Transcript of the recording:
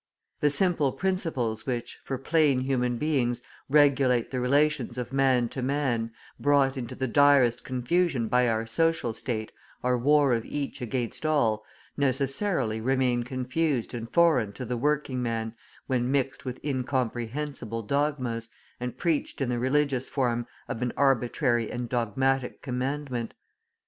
The simple principles which, for plain human beings, regulate the relations of man to man, brought into the direst confusion by our social state, our war of each against all, necessarily remain confused and foreign to the working man when mixed with incomprehensible dogmas, and preached in the religious form of an arbitrary and dogmatic commandment.